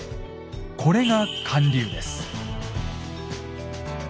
これが還流です。